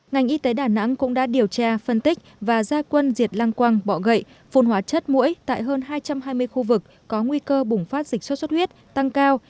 ngành y tế đà nẵng cũng đã điều tra phân tích và gia quân diệt lang quang bọ gậy phun hóa chất mũi tại hơn hai trăm hai mươi khu vực có nguy cơ bùng phát dịch sốt xuất huyết tăng cao